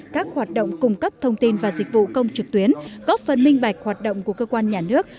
các hoạt động cung cấp thông tin và dịch vụ công trực tuyến góp phần minh bạch hoạt động của cơ quan nhà nước